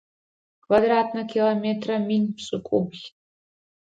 Квадратнэ километрэ мин пшӏыкӏубл.